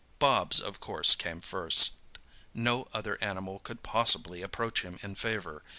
Bobs, of course, came first—no other animal could possibly approach him in favour.